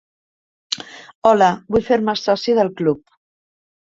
Hola, vull fer-me soci del club.